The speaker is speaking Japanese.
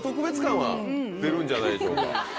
は出るんじゃないでしょうか。